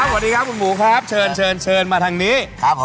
สวัสดีครับหมุนหมู่ครับเชิญมาทางนี้